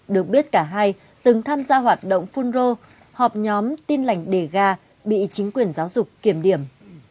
được biết cả hai từng tham gia hoạt động phun rô họp nhóm tin lành đề ga bị chính quyền giáo dục kiểm điểm